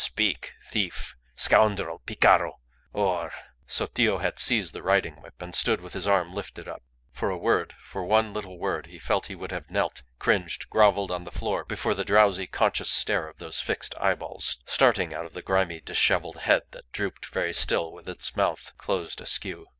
"Speak thief scoundrel picaro or " Sotillo had seized the riding whip, and stood with his arm lifted up. For a word, for one little word, he felt he would have knelt, cringed, grovelled on the floor before the drowsy, conscious stare of those fixed eyeballs starting out of the grimy, dishevelled head that drooped very still with its mouth closed askew.